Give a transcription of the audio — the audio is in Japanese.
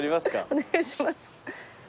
お願いします。